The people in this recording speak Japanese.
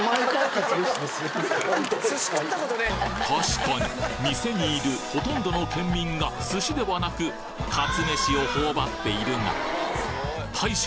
確かに店にいるほとんどの県民が寿司ではなくかつめしを頬張っているが大将